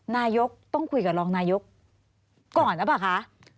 นายกต้องคุยกับรองนายกก่อนนะป่ะคะ